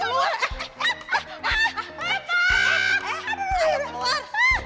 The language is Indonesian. aduh ayo keluar